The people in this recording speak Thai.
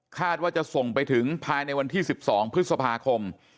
ว่าจะส่งไปถึงภายในวันที่๑๒พฤษภาคม